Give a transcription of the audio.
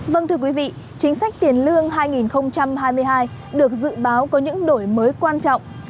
vâng thưa quý vị chính sách tiền lương hai nghìn hai mươi hai được dự báo có những đổi mới quan trọng